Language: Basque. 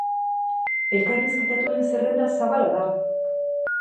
Elkarrizketatuen zerrenda zabala da.